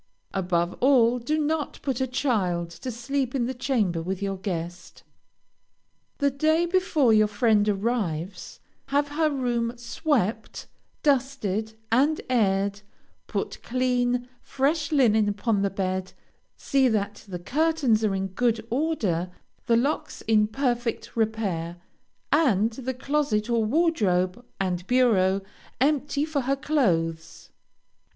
Above all, do not put a child to sleep in the chamber with your guest. The day before your friend arrives, have her room swept, dusted, and aired; put clean, fresh linen upon the bed, see that the curtains are in good order, the locks in perfect repair, and the closet or wardrobe and bureau empty for her clothes.